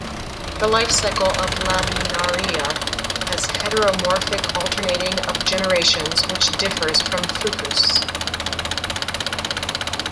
The life cycle of "Laminaria" has heteromorphic alternating of generations which differs from Fucus.